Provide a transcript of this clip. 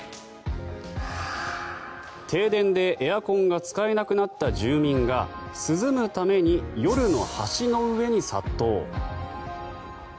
停電でエアコンが使えなくなった住民が涼むために夜の橋の上に殺到。